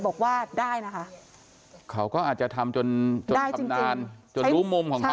บอกว่าได้นะคะเขาก็อาจจะทำจนจนชำนาญจนรู้มุมของเขา